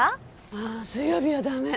ああ水曜日は駄目。